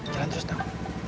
jalan terus tang